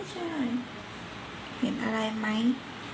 เห็นอะไรไหม